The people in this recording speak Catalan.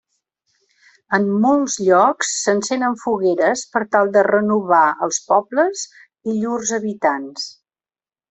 En molts llocs s'encenen fogueres per tal de renovar els pobles i llurs habitants.